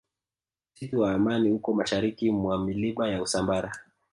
msitu wa amani uko mashariki mwa milima ya usambara